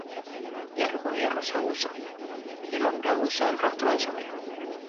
Hierro con hierro se aguza; Y el hombre aguza el rostro de su amigo.